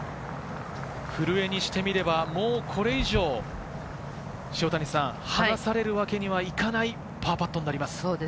古江にしてみればもうこれ以上離されるわけにはいかないパーパットになります。